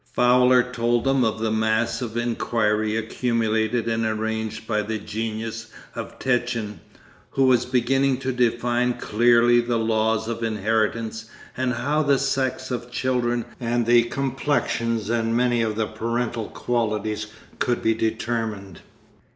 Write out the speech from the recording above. Fowler told them of the mass of inquiry accumulated and arranged by the genius of Tchen, who was beginning to define clearly the laws of inheritance and how the sex of children and the complexions and many of the parental qualities could be determined.